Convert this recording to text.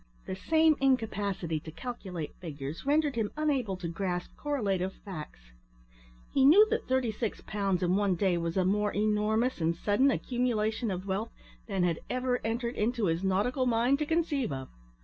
The same incapacity to calculate figures rendered him unable to grasp correlative facts. He knew that thirty six pounds in one day was a more enormous and sudden accumulation of wealth than had ever entered into his nautical mind to conceive of.